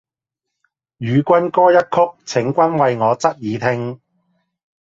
與君歌一曲，請君為我側耳聽！